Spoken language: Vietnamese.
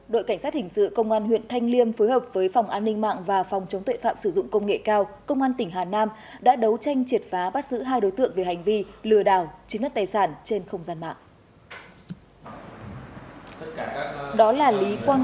đội cảnh sát hình sự công an huyện thanh liêm phối hợp với phòng an ninh mạng và phòng chống tuệ phạm sử dụng công nghệ cao công an tỉnh hà nam đã đấu tranh triệt phá bắt giữ hai đối tượng về hành vi lừa đảo chiếm đất tài sản trên không gian mạng